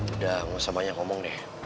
udah gak usah banyak ngomong deh